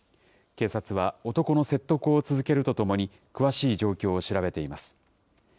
警察は男の説得を続けるとともに、詳しい状況を調べています。